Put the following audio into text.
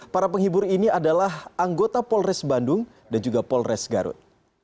para penghibur ini adalah anggota polres bandung dan juga polres garut